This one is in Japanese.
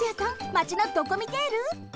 マチのドコミテール？